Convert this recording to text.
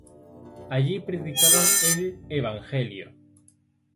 Y allí predicaban el evangelio.